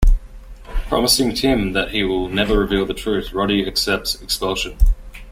Promising Tim that he will never reveal the truth, Roddy accepts expulsion.